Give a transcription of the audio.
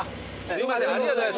すいません